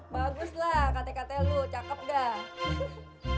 bagus lah kate kate lo cakep gak